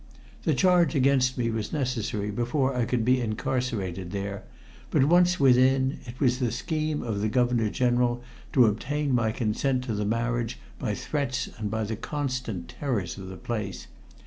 The charge against me was necessary before I could be incarcerated there, but once within, it was the scheme of the Governor General to obtain my consent to the marriage by threats and by the constant terrors of the place.